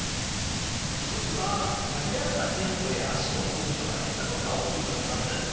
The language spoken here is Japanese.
一つはリアルな店舗へ足を運ぶ人が減ったことが大きいと思います。